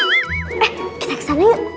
eh kita kesana yuk